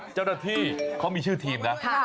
เจ้าหน้าที่เขามีชื่อทีมนะ